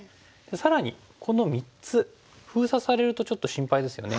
更にこの３つ封鎖されるとちょっと心配ですよね。